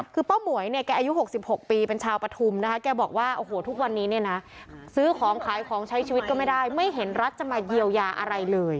คือป้าหมวยเนี่ยแกอายุ๖๖ปีเป็นชาวปฐุมนะคะแกบอกว่าโอ้โหทุกวันนี้เนี่ยนะซื้อของขายของใช้ชีวิตก็ไม่ได้ไม่เห็นรัฐจะมาเยียวยาอะไรเลย